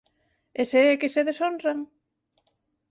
E se é que se deshonran?